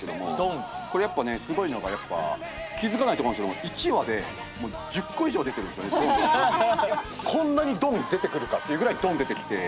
これやっぱねすごいのがやっぱ気付かないと思うんですけどもこんなに「ドン！」出てくるかっていうぐらい「ドン！」出てきて。